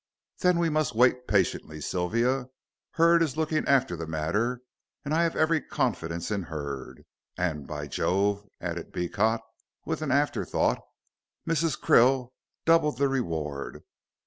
"Then we must wait patiently, Sylvia. Hurd is looking after the matter, and I have every confidence in Hurd. And, by Jove!" added Beecot, with an after thought, "Mrs. Krill doubled the reward.